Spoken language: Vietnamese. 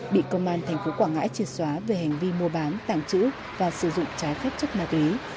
bị công an tp quảng ngãi triệt xóa về hành vi mua bán tàng trữ và sử dụng trái phép chất ma túy